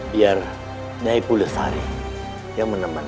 biar nyai pulesari yang menemannya